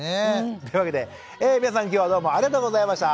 というわけで皆さん今日はどうもありがとうございました。